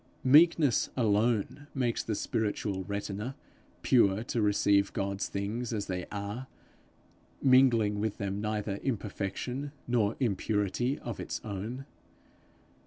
Meekness alone makes the spiritual retina pure to receive God's things as they are, mingling with them neither imperfection nor impurity of its own.